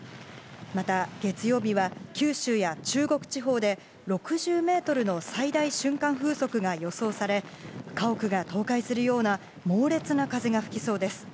また、月曜日は九州や中国地方で６０メートルの最大瞬間風速が予想され、家屋が倒壊するような猛烈な風が吹きそうです。